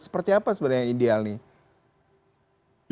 seperti apa sebenarnya yang ideal nih